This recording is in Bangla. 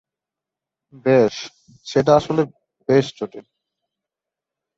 বেশ সেটা আসলে বেশ জটিল।